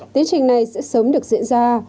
tiến trình này sẽ sớm được diễn ra